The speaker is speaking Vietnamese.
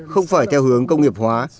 không phải theo hướng công nghiệp hóa